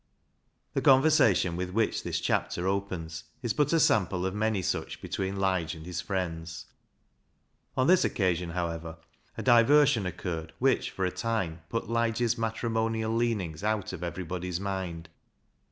The conversation with which this chapter opens is but a sample of many such between Lige and his friends. On this occasion, however, a diversion occurred which for a time put Lige's matrimonial leanings out of everybody's mind.